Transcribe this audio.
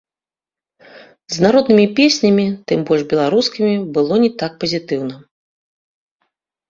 З народнымі песнямі, тым больш беларускімі, было не так пазітыўна.